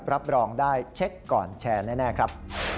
รับรองได้เช็คก่อนแชร์แน่ครับ